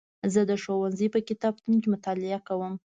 زه د ښوونځي په کتابتون کې مطالعه کوم.